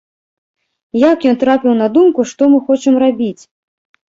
Як ён трапіў на думку, што мы хочам рабіць?!